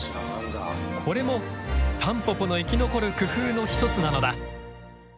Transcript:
これもタンポポの生き残る工夫の一つなのだ。